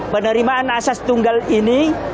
penerimaan asas tunggal ini